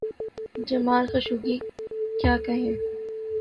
جمال Khashoggi… کیا کہیں؟